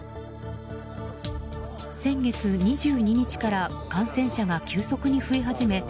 先月２２日から感染者が急速に増え始め